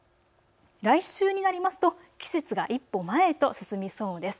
来週になりますと季節が一歩前へと進みそうです。